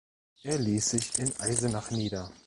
Er ließ sich in Eisenach nieder.